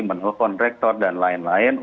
menelpon rektor dan lain lain